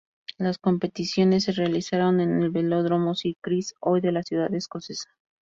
Las competiciones se realizaron en el Velódromo Sir Chris Hoy de la ciudad escocesa.